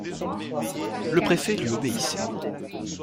Le préfet lui obéissait.